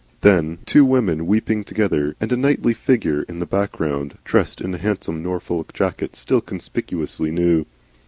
Then two women weeping together, and a knightly figure in the background dressed in a handsome Norfolk jacket, still conspicuously new.